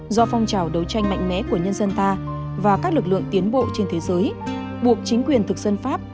do phong trào đấu tranh mạnh mẽ của nhân dân ta và các lực lượng tiến bộ trên thế giới buộc chính quyền thực dân pháp